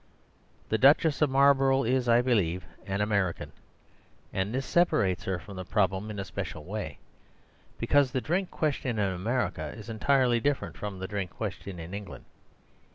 The Duchess of Marlborough is, I believe, an American, and this separates her from the problem in a special way, because the drink question in America is entirely different from the drink question in England.